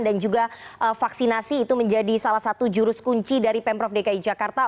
dan juga vaksinasi itu menjadi salah satu jurus kunci dari pemprov dki jakarta